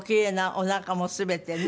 おなかも全てね。